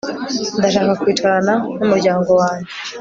Ndashaka kwicarana numuryango wanjye